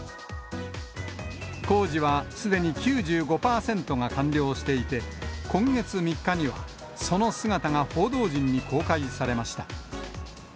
工事はすでに９５％が完了していて、今月３日には、その姿が報道陣に公開されました。